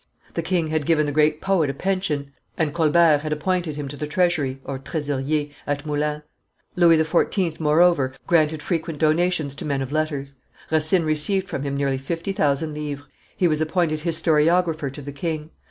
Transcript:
The king had given the great poet a pension, and Colbert had appointed him to the treasury (tresorier) at Moulins. Louis XIV., moreover, granted frequent donations to men of letters. Racine received from him nearly fifty thousand livres; he was appointed historiographer to the king.